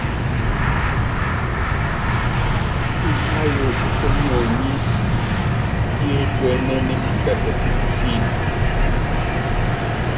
Nganá ayuuku ónyonyi, yétuénen imbɛsɛ si kusííni.